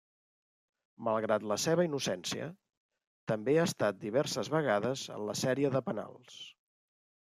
Malgrat la seva innocència, també ha estat diverses vegades en la sèrie de penals.